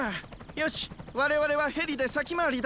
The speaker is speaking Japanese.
よしわれわれはヘリでさきまわりだ。